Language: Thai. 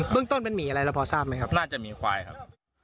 เรื่องต้นเป็นหมีอะไรเราพอทราบไหมครับน่าจะหมีควายครับ